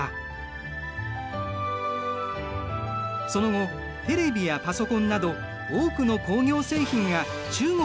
その後テレビやパソコンなど多くの工業製品が中国で生産。